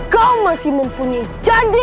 kau masih mempunyai janji